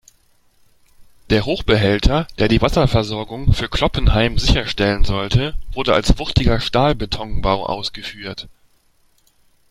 Der Hochbehälter, der die Wasserversorgung für Kloppenheim sicherstellen sollte, wurde als wuchtiger Stahlbetonbau ausgeführt.